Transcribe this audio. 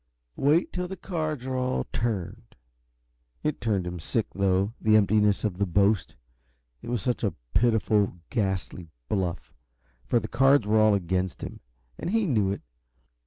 Wait till the cards are all turned." It turned him sick, though, the emptiness of the boast. It was such a pitiful, ghastly bluff for the cards were all against him, and he knew it.